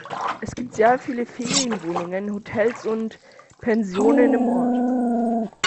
Es gibt sehr viele Ferienwohnungen, Hotels und Pensionen im Ort.